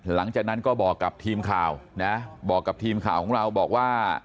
หลังจากนั้นก็บอกกับทีมข่าวนะบอกกับทีมข่าวของเราบอกว่า